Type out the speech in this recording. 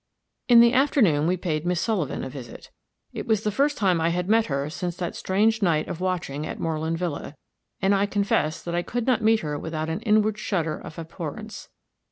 In the afternoon we paid Miss Sullivan a visit. It was the first time I had met her since that strange night of watching at Moreland villa; and I confess that I could not meet her without an inward shudder of abhorrence.